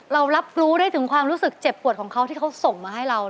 เรารับรู้ได้ถึงความรู้สึกเจ็บปวดของเขาที่เขาส่งมาให้เรา